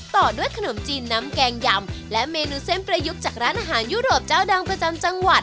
ต่อด้วยขนมจีนน้ำแกงยำและเมนูเส้นประยุกต์จากร้านอาหารยุโรปเจ้าดังประจำจังหวัด